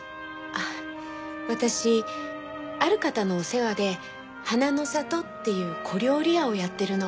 あっ私ある方のお世話で花の里っていう小料理屋をやってるの。